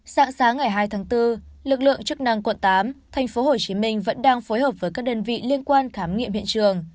sáng sáng ngày hai tháng bốn lực lượng chức năng quận tám tp hcm vẫn đang phối hợp với các đơn vị liên quan khám nghiệm hiện trường